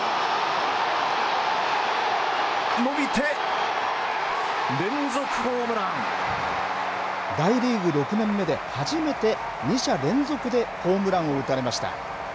のびて、大リーグ６年目で初めて、２者連続でホームランを打たれました。